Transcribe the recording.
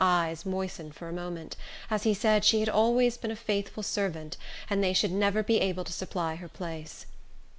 His eyes moistened for a moment, as he said she had always been a faithful servant, and they should never be able to supply her place.